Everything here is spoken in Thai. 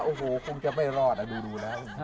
โอ้โหคงจะไม่รอดดูนะ